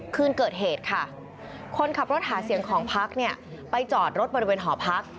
คืนเกิดเหตุค่ะคนขับรถหาเสียงของพักเนี่ยไปจอดรถบริเวณหอพัก